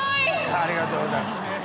ありがとうございます。